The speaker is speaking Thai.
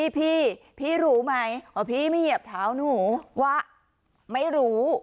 พี่พี่รู้ไหมว่าพี่ไม่เหยียบเท้าหนูว่าไม่รู้